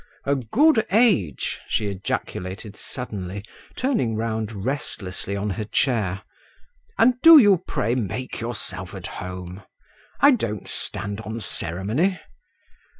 "A good age," she ejaculated suddenly, turning round restlessly on her chair. "And do you, pray, make yourself at home. I don't stand on ceremony."